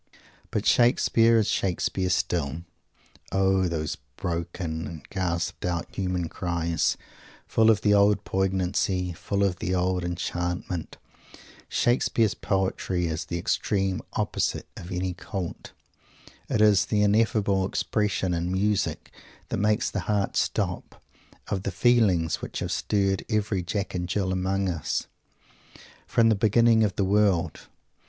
But Shakespeare is Shakespeare still. O those broken and gasped out human cries, full of the old poignancy, full of the old enchantment! Shakespeare's poetry is the extreme opposite of any "cult." It is the ineffable expression, in music that makes the heart stop, of the feelings which have stirred every Jack and Jill among us, from the beginning of the world!